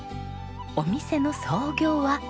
お店の創業は。